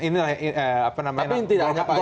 tapi yang tidak hanya pak ical